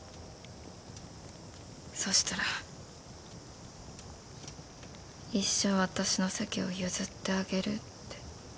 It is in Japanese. そしたら一生アタシの席を譲ってあげる」って。